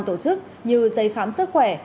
tổ chức như giấy khám sức khỏe